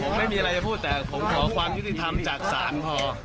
ผมไม่มีอะไรจะพูดแต่ผมขอความยุติธรรมจากศาลพอ